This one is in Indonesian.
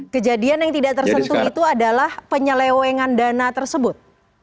kejadian yang tidak tersentuh itu adalah penyelewengan dana tersebut